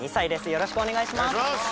よろしくお願いします！